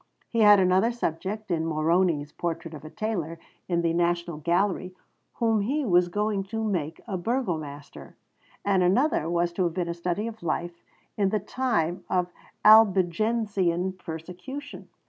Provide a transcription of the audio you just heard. He had another subject in Moroni's Portrait of a Tailor in the National Gallery, whom he was going to make a Burgomaster; and another was to have been a study of life in the time of the Albigensian persecution.